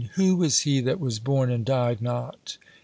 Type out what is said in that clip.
"Who was he that was born and died not?"